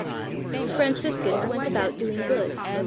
I The Franciscans went about doing good.